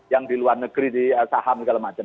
yang di luar negeri di saham dan sebagainya